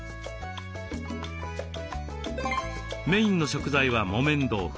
メインの食材は木綿豆腐。